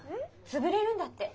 潰れるんだって。